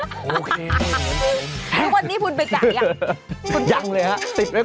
ทุกคนนี่ภูมิไปจ่ายยังยังเลยฮะติดไว้ก่อน